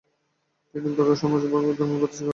তিনি ব্রাহ্মসমাজ ও ব্রাহ্মধর্ম প্রতিষ্ঠা করেন।